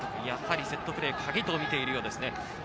やはりセットプレーがカギと見ているようです。